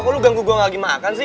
kok lu ganggu gua lagi makan sih